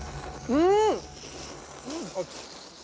うん！